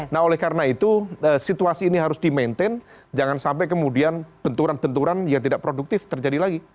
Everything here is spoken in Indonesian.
nah oleh karena itu situasi ini harus di maintain jangan sampai kemudian benturan benturan yang tidak produktif terjadi lagi